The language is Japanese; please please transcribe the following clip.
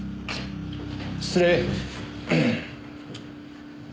失礼。